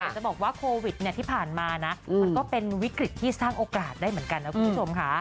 จะบอกว่าโควิดที่ผ่านมานะมันก็เป็นวิกฤตที่สร้างโอกาสได้เหมือนกันนะคุณผู้ชมค่ะ